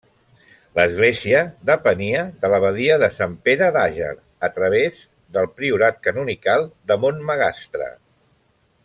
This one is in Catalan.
L'església depenia de l'abadia de Sant Pere d'Àger a través del priorat canonical de Montmagastre.